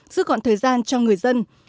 giữ gọn thời gian cho người dân